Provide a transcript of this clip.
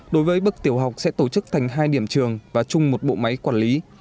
đối với bức tiểu học sẽ tổ chức thành hai điểm trường và chung một bộ máy quản lý